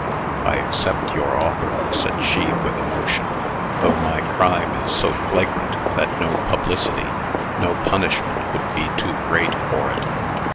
"I accept your offer," said she, with emotion, "though my crime is so flagrant that no publicity, no punishment would be too great for it.